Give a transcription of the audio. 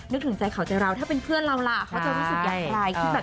นึกถึงใจเขาใจเราถ้าเป็นเพื่อนเราล่ะเขาจะรู้สึกอย่างไร